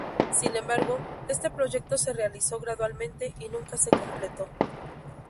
Sin embargo, este proyecto se realizó gradualmente y nunca se completó.